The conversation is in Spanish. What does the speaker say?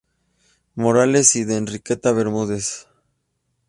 Morales y de Enriqueta Bermúdez.